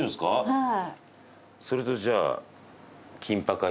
はい。